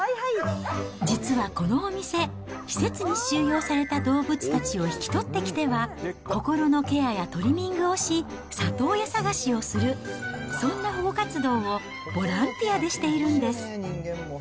実はこのお店、施設に収容された動物たちを引き取ってきては、心のケアやトリミングをし、里親探しをする、そんな保護活動をボランティアでしているんです。